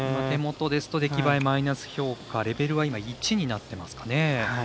手元ですと出来栄えマイナス評価レベルは１になっていますね。